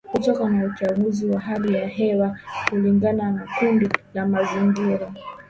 kutokana na uchafuzi wa hali ya hewa kulingana na kundi la mazingira